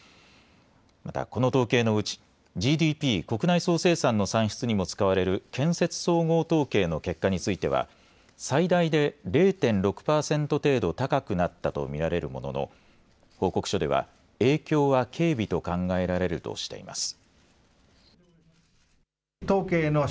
また、この統計のうち、ＧＤＰ・国内総生産の算出にも使われる建設総合統計の結果については、最大で０．６％程度高くなったと見られるものの、報告書では、影響は軽微と考えられるとしています。